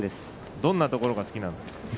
どんなところが好きなんですか？